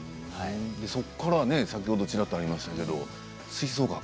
そこから先ほどちらっとありましたが、吹奏楽。